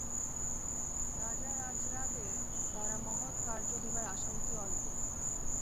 রাজারাজড়াদের দ্বারা মহৎ কার্য হইবার আশা অতি অল্প।